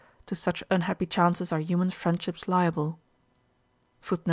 To such unhappy chances are human friendships liable.